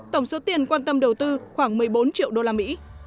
tổng số tiền quan tâm đầu tư khoảng một mươi bốn triệu usd